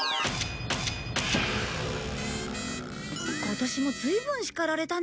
今年もずいぶん叱られたね。